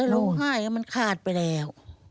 รู้ไหมมันขาดไปแล้ว